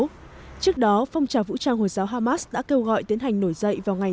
của hồi giáo trước đó phong trào vũ trang hồi giáo hamas đã kêu gọi tiến hành nổi dậy vào ngày